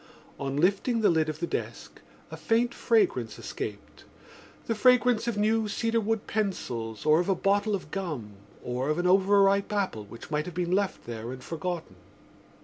On lifting the lid of the desk a faint fragrance escaped—the fragrance of new cedarwood pencils or of a bottle of gum or of an overripe apple which might have been left there and forgotten.